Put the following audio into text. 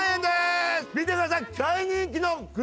見てください。